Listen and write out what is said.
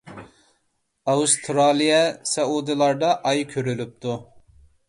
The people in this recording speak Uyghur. ئاۋسترالىيە، سەئۇدىلاردا ئاي كۆرۈلۈپتۇ.